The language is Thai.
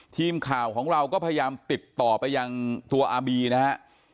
ทีมข่าวของเราก็พยายามติดต่อไปยังตัวอาร์บีนะฮะ